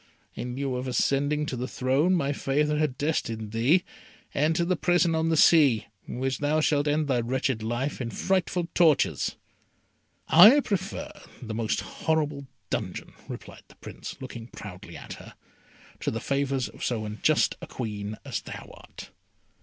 In lieu of ascending the throne my favour had destined thee, enter the prison on the sea, in which thou shalt end thy wretched life in frightful tortures." "I prefer the most horrible dungeon," replied the Prince, looking proudly at her, "to the favours of so unjust a Queen as thou art!"